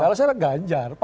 kalau saya rek ganjar